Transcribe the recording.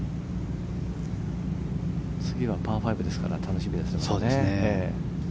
次はパー５ですから楽しみですね。